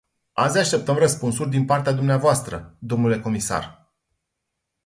Azi așteptăm răspunsuri din partea dvs., dle comisar.